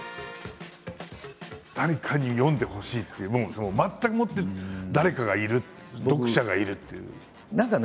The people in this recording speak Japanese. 誰かに読んでほしいっていう全くもって誰かがいる読者がいるという。